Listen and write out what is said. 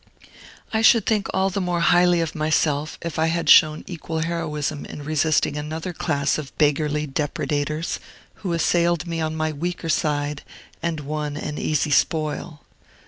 I should think all the more highly of myself, if I had shown equal heroism in resisting another class of beggarly depredators, who assailed me on my weaker side and won an easy spoil.